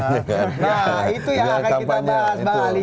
nah itu yang akan kita bahas